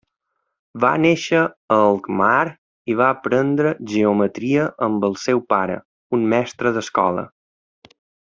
Va néixer a Alkmaar i va aprendre geometria amb el seu pare, un mestre d'escola.